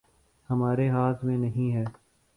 ہمارے ہاتھ میں نہیں ہے